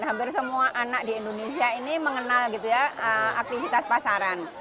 hampir semua anak di indonesia ini mengenal aktivitas pasaran